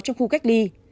trong khu cách ly